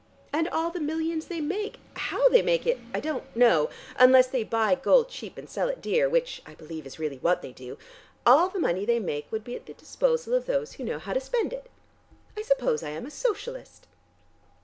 And all the millions they make how they make it, I don't know, unless they buy gold cheap and sell it dear, which I believe is really what they do all the money they make would be at the disposal of those who know how to spend it. I suppose I am a Socialist."